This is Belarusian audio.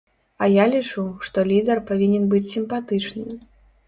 А я лічу, што лідар павінен быць сімпатычны.